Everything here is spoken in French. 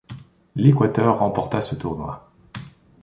L'Équateur remporta ce tournoi.